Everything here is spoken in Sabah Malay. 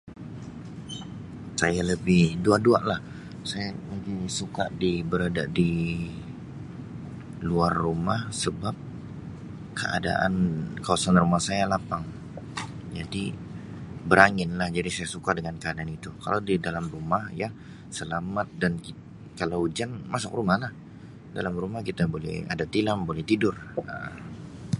Saya lebih dua-dua lah saya lebih suka di berada di luar rumah sebab keadaan kawasan rumah saya lapang jadi beranginlah jadi saya suka dengan keaadaan itu kalau d dalam rumah ia selamat dan kalau hujan masuk rumah dalam rumah kita boleh ada tilam buli tidur.